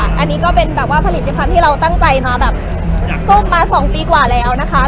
อันนี้ก็เป็นผลิตภัณฑ์ที่เราตั้งใจซมมา๒ปีกว่าแล้วนะคะ